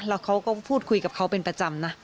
แล้วเขาก็พูดคุยกับเขาเป็นประจำนะ